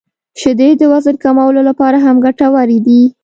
• شیدې د وزن کمولو لپاره هم ګټورې دي.